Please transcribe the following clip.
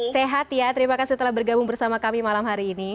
sehat ya terima kasih telah bergabung bersama kami malam hari ini